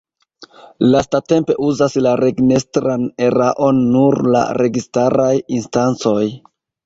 Lastatempe uzas la regnestran eraon nur la registaraj instancoj.